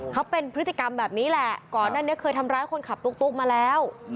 เขาเป็นพฤติกรรมแบบนี้แหละก่อนหน้านี้เคยทำร้ายคนขับตุ๊กมาแล้ว